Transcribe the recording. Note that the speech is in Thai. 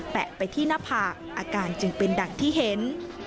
แปะไปที่หน้าผากอาการจึงเป็นดังที่เห็น